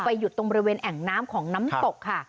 หยุดตรงบริเวณแอ่งน้ำของน้ำตกค่ะ